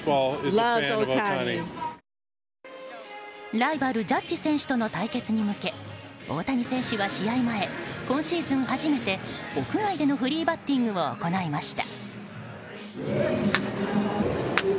ライバル、ジャッジ選手との対決に向け大谷選手は試合前今シーズン初めて屋外でのフリーバッティングを行いました。